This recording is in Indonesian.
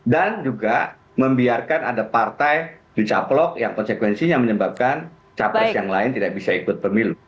dan juga membiarkan ada partai dicapelok yang konsekuensinya menyebabkan capres yang lain tidak bisa ikut pemilu